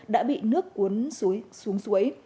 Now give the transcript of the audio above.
đã bị nước cuốn xuống suối